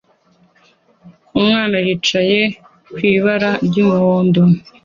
Umwana yicaye ku ibara ry'umuhondo